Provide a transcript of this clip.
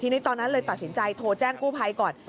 ทีนี้ตอนนั้นเลยตัดสินใจโทรแจ้งกู้ภัยก่อน